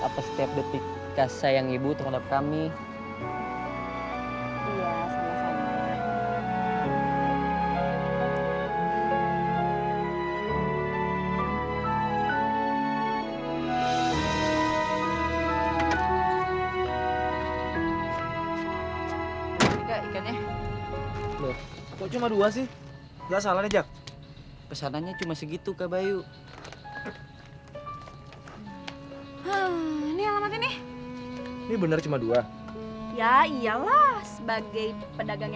apasetia depik kasih sayang ibu terhadap kami